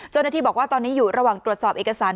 เจ้าหน้าที่บอกว่าตอนนี้อยู่ระหว่างตรวจสอบเอกสาร